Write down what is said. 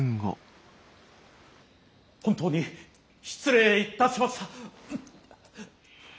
本当に失礼いたしましたッ！